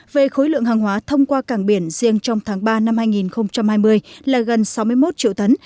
về khối lượng hàng hóa thông qua cảng biển riêng trong tháng ba năm hai nghìn hai mươi là gần sáu mươi một triệu tấn